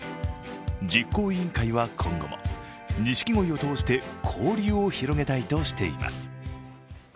実行委員会は今後も錦鯉を通して交流を広げたいとしています。